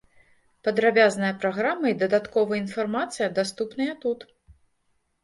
Падрабязная праграма і дадатковая інфармацыя даступныя тут.